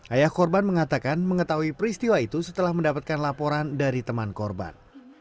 ayah korban mengatakan mengetahui peristiwa itu setelah mendapatkan laporan dari teman korban